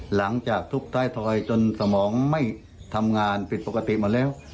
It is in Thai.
หลังจากทุบท้ายทอยจนสมองไม่ทำงานผิดปกติหมดแล้ว